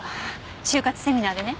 終活セミナーでね。